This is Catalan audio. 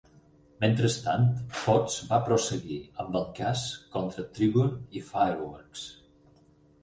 Mentrestant, Fox va prosseguir amb el cas contra Tribune i Fireworks.